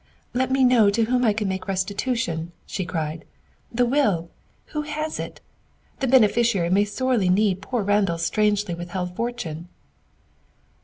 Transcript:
"Let me know to whom I can make restitution," she cried. "This will who has it? The beneficiary may sorely need poor Randall's strangely withheld fortune!"